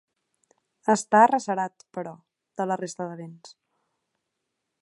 Està arrecerat, però, de la resta de vents.